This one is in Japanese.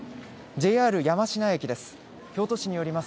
ＪＲ山科駅です。